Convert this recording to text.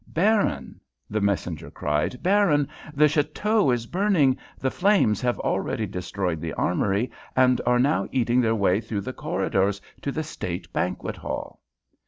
"Baron," the messenger cried "Baron, the château is burning. The flames have already destroyed the armory, and are now eating their way through the corridors to the state banquet hall."